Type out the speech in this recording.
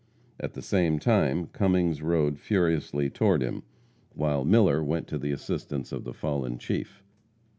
At the same time Cummings rode furiously toward him, while Miller went to the assistance of the fallen chief.